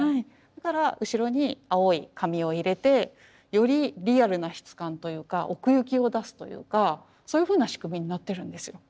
だから後ろに青い紙を入れてよりリアルな質感というか奥行きを出すというかそういうふうな仕組みになってるんです。